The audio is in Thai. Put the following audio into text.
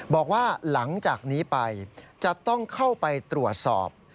บอกว่าหลังจากนี้ไปจะต้องเข้าไปตรวจสอบ